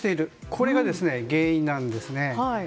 これが原因なんですね。